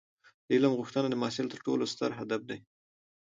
د علم غوښتنه د محصل تر ټولو ستر هدف دی.